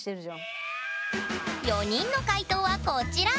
４人の解答はこちら！